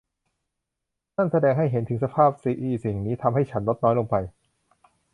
นั่นแสดงให้เห็นถึงสภาพที่สิ่งนี้ทำให้ฉันลดน้อยลงไป